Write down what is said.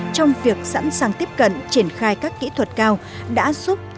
trong việc sẵn sàng tiếp cận triển khai các kỹ thuật cao đã giúp tái sinh nhiều cuộc đời mới